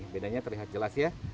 bedanya terlihat jelas ya